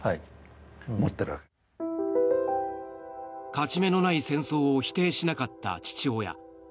勝ち目のない戦争を否定しなかった父親。